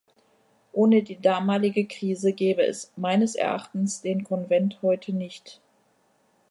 Ohne die damalige Krise gäbe es meines Erachtens den Konvent heute nicht.